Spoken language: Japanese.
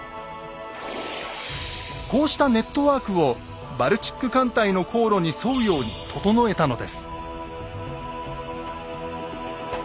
こうしたネットワークをバルチック艦隊の航路に沿うように整えたのです。